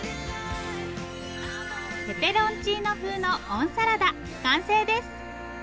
ペペロンチーノ風の温サラダ完成です。